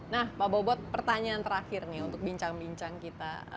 nah pak bobot pertanyaan terakhir nih untuk bincang bincang kita